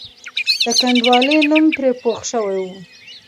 د کنډوالې نوم پرې پوخ شوی وو.